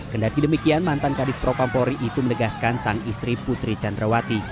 kendati demikian mantan kadif propampori itu menegaskan sang istri putri candrawati